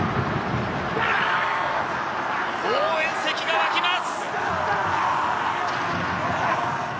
応援席が沸きます！